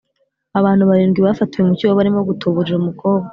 abantu barindwi bafatiwe mu cyuho barimo gutuburira umukobwa